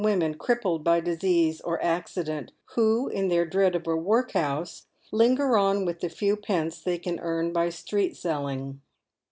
women crippled by disease or acci dent, who, in their dread of a workhouse, linger on with the few pence they earn by street selling.